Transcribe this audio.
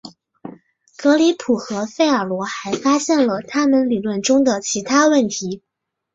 格里普和费尔罗还发现了他们理论中的其他问题。